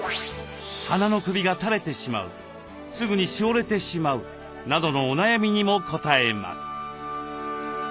花の首が垂れてしまうすぐにしおれてしまうなどのお悩みにも答えます。